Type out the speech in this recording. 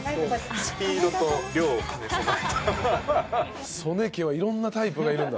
スピードと量を兼ね備えた。